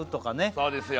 そうですよ